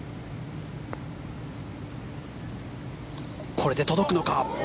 これで届くのか？